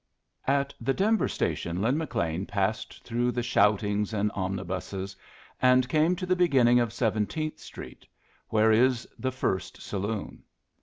At the Denver station Lin McLean passed through the shoutings and omnibuses, and came to the beginning of Seventeenth Street, where is the first saloon.